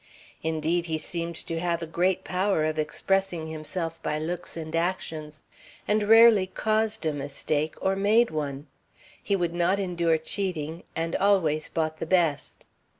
Indeed, he seemed to have great power of expressing himself by looks and actions, and rarely caused a mistake or made one. He would not endure cheating, and always bought the best.